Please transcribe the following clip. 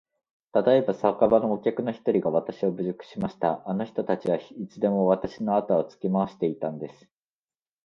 たとえば、酒場のお客の一人がわたしを侮辱しました。あの人たちはいつでもわたしのあとをつけ廻していたんです。